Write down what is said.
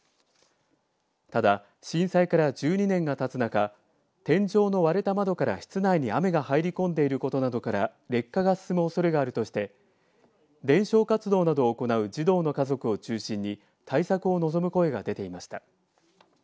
ただ震災から１２年がたつ中天井の割れた窓から室内に雨が入り込んでいることなどから劣化が進むおそれがあるとして伝承活動などを行う児童の遺族を中心に対策を望む声が出ていました。